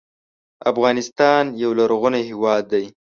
افغانستان یو لرغونی هېواد دی.